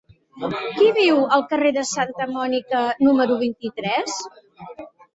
Qui viu al carrer de Santa Mònica número vint-i-tres?